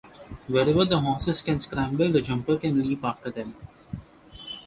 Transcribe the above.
Wherever the horses can scramble the jumper can leap after them.